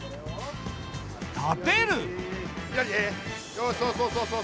よしそうそうそうそう。